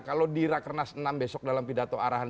kalau di rakernas enam besok dalam pidato arahan